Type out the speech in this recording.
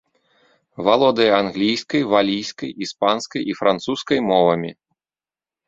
Валодае англійскай, валійскай, іспанскай і французскай мовамі.